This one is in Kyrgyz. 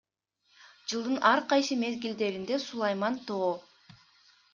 Жылдын ар кайсы мезгилдеринде Сулайман Тоо